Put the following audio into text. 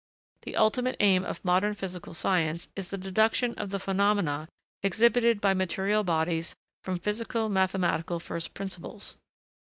The ultimate aim of modern physical science is the deduction of the phenomena exhibited by material bodies from physico mathematical first principles.